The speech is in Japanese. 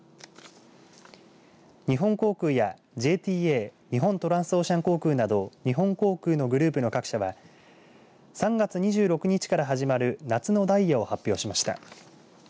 日本航空やＪＴＡ日本トランスオーシャン航空など日本航空のグループの各社は３月２６日から始まる夏のダイヤを発表しました。